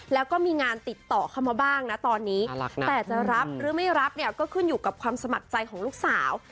แล้วก็มีงานติดต่อเข้ามาบ้างนะตอนนี้แต่จะรับหรือไม่รับเนี่ยก็ขึ้นอยู่กับความสมัครใจของลูกสาว